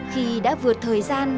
khi đã vượt thời gian